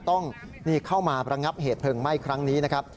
ต้องเข้ามาระงับเหตุเพลิงไหม้ครั้งนี้นะครับ